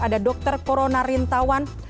ada dokter corona rintawan